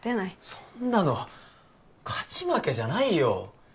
そんなの勝ち負けじゃないよ。